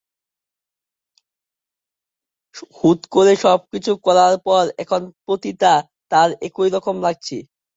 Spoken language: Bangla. হুট করে সবকিছু করার পর, এখন প্রতিটা তার একই রকম লাগছে।